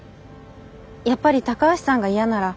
やっぱり高橋さんが嫌なら。